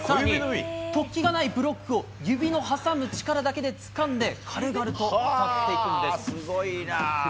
突起がないブロックを指の挟む力だけでつかんで軽々と渡っていくすごいな。